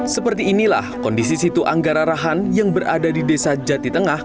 seperti inilah kondisi situ anggara rahan yang berada di desa jati tengah